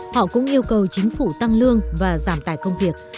họ cũng yêu cầu chính phủ tăng lương và giảm tài công việc